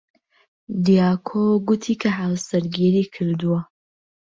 دیاکۆ گوتی کە هاوسەرگیری کردووە.